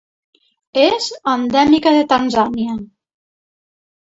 És endèmica de Tanzània.